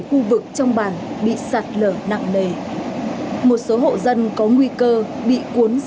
huyện mường nhé tỉnh điện biên